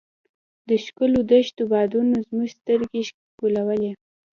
د ښکلو دښتو بادونو زموږ سترګې ښکلولې.